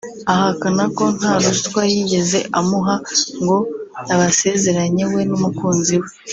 Ahakana ko nta ruswa yigeze amuha ngo abasezeranye we n’umukunzi we